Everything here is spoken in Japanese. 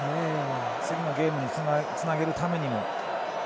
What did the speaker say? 次のゲームにつなげるためにも。